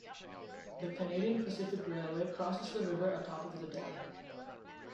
The Canadian Pacific Railway crosses the river atop of the dam.